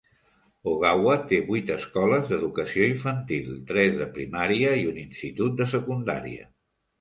Ogawa té vuit escoles d'educació infantil, tres de primària i un institut de secundària.